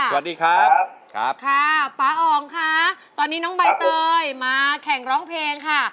สวัสดีครับครับค่ะป๊าอ๋องค่ะตอนนี้น้องใบเตยมาแข่งร้องเพลงค่ะ